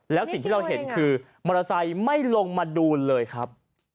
แล้วสิ่งที่เราเห็นคือมอเตอร์ไซค์ไม่ลงมาดูเลยครับ